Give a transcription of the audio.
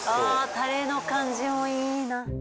タレの感じもいいな。